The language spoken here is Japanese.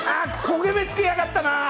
焦げ目つけやがったな！